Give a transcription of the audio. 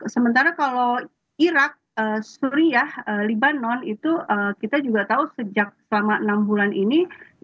sementara kalau irak suriah libanon itu kita juga tahu sejak selama enam bulan ini